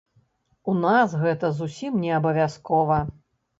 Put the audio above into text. У нас гэта зусім неабавязкова.